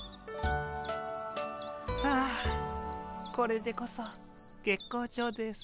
ああこれでこそ月光町です。